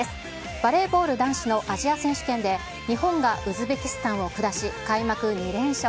バレーボール男子のアジア選手権で、日本がウズベキスタンを下し、開幕２連勝。